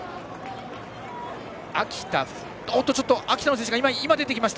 秋田の選手が出てきました。